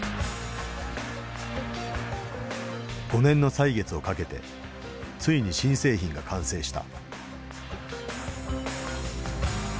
５年の歳月をかけてついに新製品が完成した。